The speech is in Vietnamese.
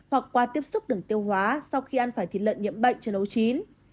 hoặc qua tiếp xúc đường tiêu hóa sau khi ăn phải thịt lợn nhiễm bệnh cho nấu chín